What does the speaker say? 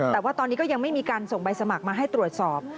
แต่ว่าตอนนี้ก็ยังไม่มีการส่งใบสมัครมาให้ตรวจสอบ